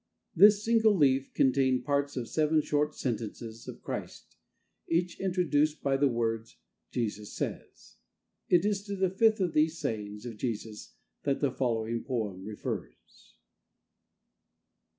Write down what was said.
This single leaf contained parts of seven short sentences of Christ, each introduced by the words, "Jesus says." It is to the fifth of these Sayings of Jesus that the following poem refers.